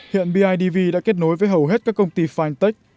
hiện bidv đã kết nối với hầu hết các công ty fintech